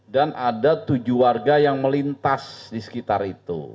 dan ada tujuh warga yang melintas di sekitar itu